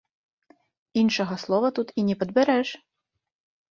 Іншага слова тут і не падбярэш!